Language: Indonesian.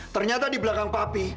ternyata di belakang papi